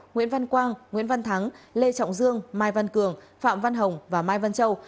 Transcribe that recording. nguyễn văn quang nguyễn văn thắng lê trọng dương mai văn cường phạm văn hồng và mai văn châu